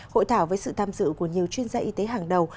hội thảo với sự tham dự của nhiều chuyên gia y tế hàng đầu